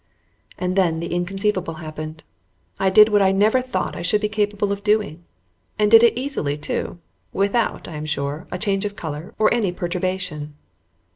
And then the inconceivable happened. I did what I never thought I should be capable of doing, and did it easily, too, without, I am sure, a change of color or any perturbation.